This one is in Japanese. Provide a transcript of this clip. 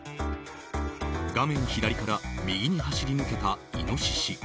画面左から右に走り抜けたイノシシ。